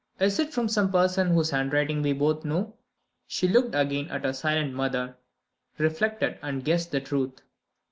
Is it from some person whose handwriting we both know?" She looked again at her silent mother reflected and guessed the truth.